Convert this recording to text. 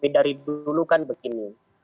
pertanyaan kami dari dulu kan begini